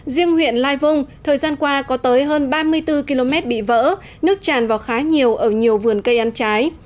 riêng huyện lai vung thời gian qua có tới hơn ba mươi bốn km bị vỡ nước tràn vào khá nhiều ở nhiều vườn cây ăn trái